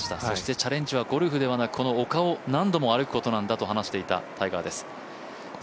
そしてチャレンジはゴルフではなくこの丘を何度も歩くことだと話していたタイガーです。